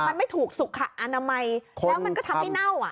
มันไม่ถูกสุขอนามัยแล้วมันก็ทำให้เน่าอ่ะ